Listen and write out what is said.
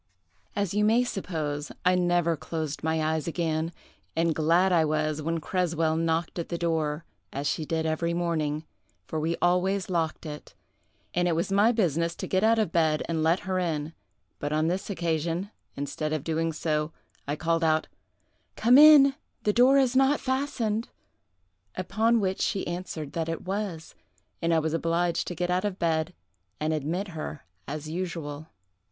"As you may suppose, I never closed my eyes again; and glad I was when Creswell knocked at the door, as she did every morning, for we always locked it, and it was my business to get out of bed and let her in; but on this occasion, instead of doing so, I called out, 'Come in; the door is not fastened;' upon which she answered that it was, and I was obliged to get out of bed and admit her as usual.